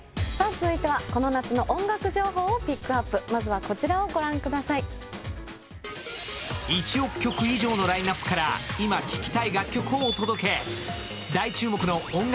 続いてはこの夏の音楽情報をピックアップまずはこちらをご覧ください１億曲以上のラインナップから今聴きたい楽曲をお届け大注目の音楽